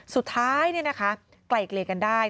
สุดท้ายนี่นะคะไกล่เกลียนกันได้